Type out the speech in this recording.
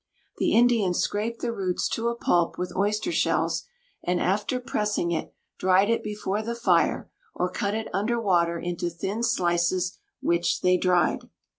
The Indians scraped the roots to a pulp with oyster shells, and after pressing it, dried it before the fire, or cut it under water into thin slices which they dried.